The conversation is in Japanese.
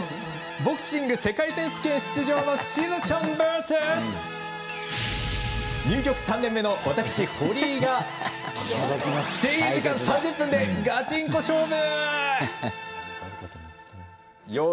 ボクシング世界選手権出場のしずちゃんＶＳ入局３年目の私、堀井が制限時間３０分でガチンコ勝負。